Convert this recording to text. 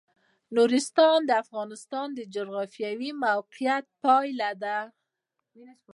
نورستان د افغانستان د جغرافیایي موقیعت پایله ده.